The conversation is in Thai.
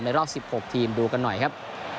รอบ๑๖ทีมดูกันหน่อยครับ